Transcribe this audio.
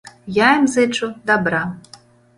Я ім зычу дабра.